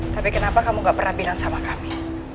tapi kenapa kamu gak pernah bilang sama kami